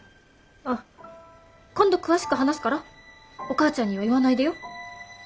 あっ今度詳しく話すからお母ちゃんには言わないでよ。